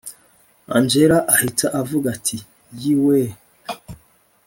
angella ahita avuga ati yiwee